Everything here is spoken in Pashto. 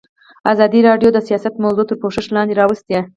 ازادي راډیو د سیاست موضوع تر پوښښ لاندې راوستې.